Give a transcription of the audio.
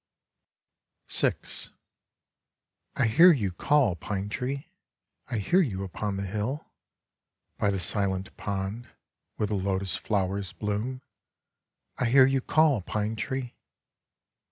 VI I hear you call. Pine tree, I hear you upon the hill ; by the silent pond where the lotos flowers bloom, I hear you call, Pine tree